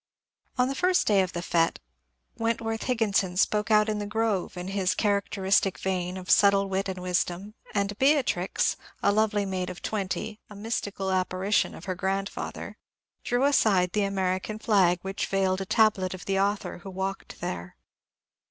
On the first day of the fete Wentworth Higginson spoke out in the grove in his characteristic vein of subtle wit and wisdom, and Beatrix — a lovely maid of twenty, a mystical apparition of her grandfather — drew aside the American flag which veiled a tablet of the author who walked there.